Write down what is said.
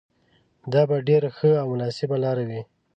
دا به ډېره ښه او مناسبه لاره وي.